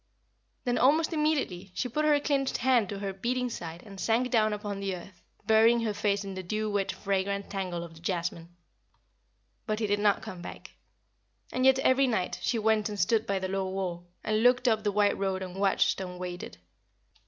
Then almost immediately she put her clinched hand to her beating side and sank down upon the earth, burying her face in the dew wet fragrant tangle of the jasmine. But he did not come back. And yet every night she went and stood by the low wall, and looked up the white road and watched and waited.